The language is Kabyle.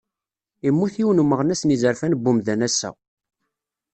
Immut yiwen n umeɣnas n yizerfan n umdan ass-a.